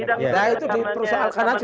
nah itu di persoalkan saja